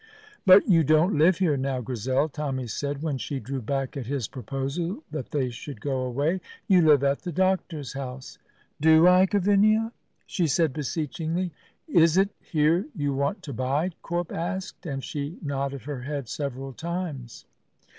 "But you don't live here now, Grizel," Tommy said, when she drew back at his proposal that they should go away; "you live at the doctor's house." "Do I, Gavinia?" she said beseechingly. "Is it here you want to bide?" Corp asked, and she nodded her head several times.